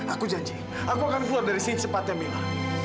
aku janji aku akan keluar dari si sepatnya mila